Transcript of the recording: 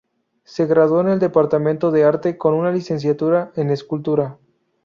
Se graduó en el departamento de Arte con una Licenciatura en escultura.